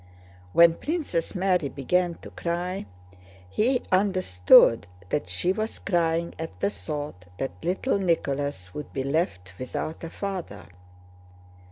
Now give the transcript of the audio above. When Princess Mary began to cry, he understood that she was crying at the thought that little Nicholas would be left without a father.